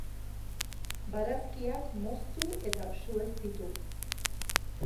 Barazkiak moztu eta sueztitu.